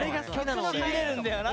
しびれるんだよな！